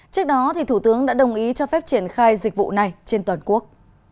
trước đó thủ tướng đã đồng ý cho phép triển khai dịch vụ này trên toàn quốc